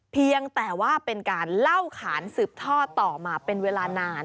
เพียงแต่ว่าเป็นการเล่าขานสืบท่อต่อมาเป็นเวลานาน